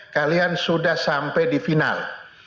kalian sudah sampai di final